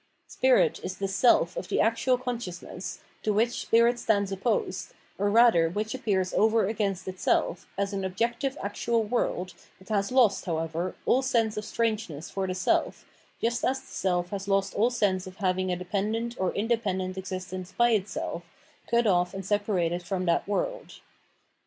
Spirit is the sdf of the actual consciousness, to which spirit stands opposed, or rather which appears over agaiast itseh, as an objective actual world that has lost, however, all sense of strangeness for the self, just as the self has lost aU sense of having a dependent or independent existence by itseh, cut off and separated feom that world.